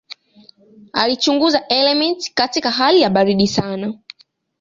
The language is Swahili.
Alichunguza elementi katika hali ya baridi sana.